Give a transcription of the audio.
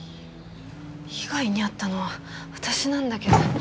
被害に遭ったのは私なんだけど。